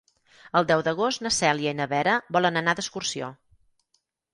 El deu d'agost na Cèlia i na Vera volen anar d'excursió.